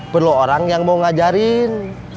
perlu orang yang mau ngajarin